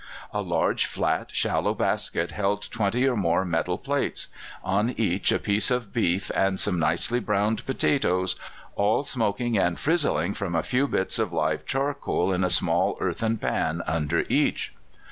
A large flat shallow basket held twenty or more metal plates; on each a piece of beef and some nicely browned potatoes, all smoking and frizzling from a few bits of live charcoal in a small earthen pan under each.